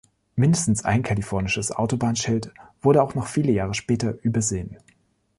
Mindestens ein kalifornisches Autobahnschild wurde auch noch viele Jahre später übersehen.